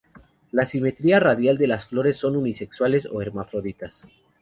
Los simetría radial de las flores son unisexuales o hermafroditas.